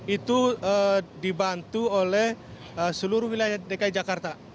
itu dibantu oleh seluruh wilayah dki jakarta